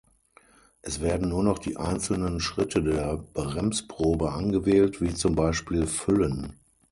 Es werden nur noch die einzelnen Schritte der Bremsprobe angewählt, wie zum Beispiel Füllen.